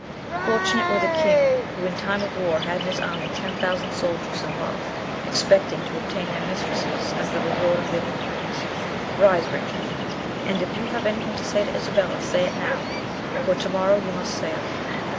Fortunate were the king who in time of war had in his army ten thousand soldiers in love, expecting to obtain their mistresses as the reward of their victories. Rise, Richard, and if you have anything to say to Isabella, say it now, for to morrow you must sail."